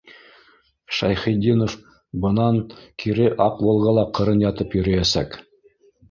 Шәйхетдинов бынан кире аҡ «Волга»ла ҡырын ятып йөрөйәсәк.